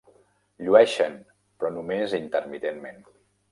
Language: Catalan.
Llueixen, però només intermitentment.